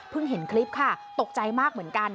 เห็นคลิปค่ะตกใจมากเหมือนกัน